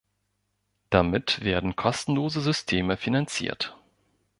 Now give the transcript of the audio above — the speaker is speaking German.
Damit werden kostenlose Systeme finanziert.